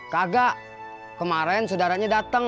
kagak kemaren sudaranya dateng